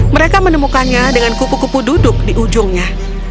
mereka menemukannya dengan kupu kupu duduk di ujungnya